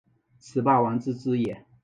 此霸王之资也。